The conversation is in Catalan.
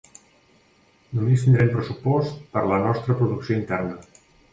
Només tindrem pressupost per a la nostra producció interna.